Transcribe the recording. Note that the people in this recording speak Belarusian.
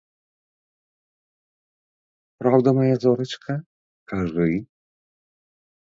Праўда, мая зорачка, кажы?